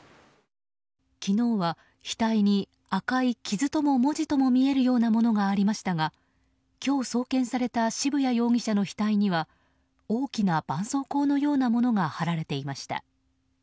昨日は額に、赤い傷とも文字とも見えるようなものがありましたが今日、送検された渋谷容疑者の額には大きなばんそうこうのようなものが貼られていました。